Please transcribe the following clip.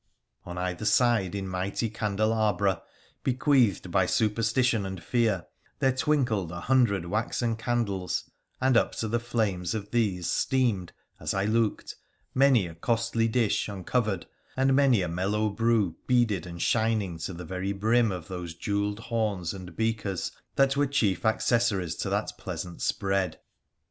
On either side, in mighty candelabra, bequeathed by super stition and fear, there twinkled a hundred waxen candles, and up to the flames of these steamed, as I looked, many a costly 12 H6 WONDERFUL ADVENTURES OF dish uncovered, and many a mellow brew beaded and shining to the very brim of those jewelled horns and beakers that were chief accessories to that pleasant spread.